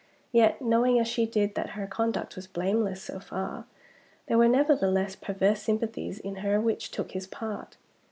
Yet, knowing, as she did, that her conduct was blameless so far, there were nevertheless perverse sympathies in her which took his part.